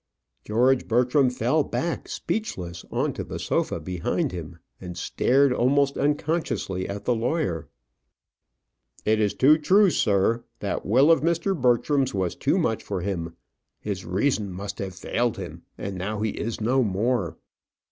George Bertram fell back, speechless, on to the sofa behind him, and stared almost unconsciously at the lawyer. "It is too true, sir. That will of Mr. Bertram's was too much for him. His reason must have failed him, and now he is no more."